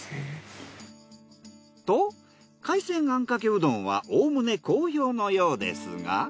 と海鮮あんかけうどんはおおむね好評のようですが。